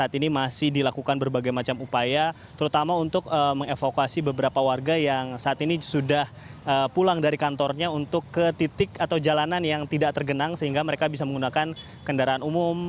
terima kasih banyak pak hussein